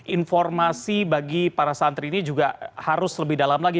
informasi bagi para santri ini juga harus lebih dalam lagi